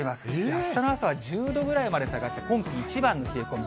あしたの朝は１０度ぐらいまで下がって、今季一番の冷え込み。